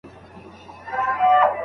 مدیتیشن مو ژوند ته ارامي بښي.